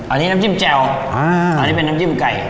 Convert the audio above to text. อันนี้น้ำจิ้มแจ่วอันนี้เป็นน้ำจิ้มไก่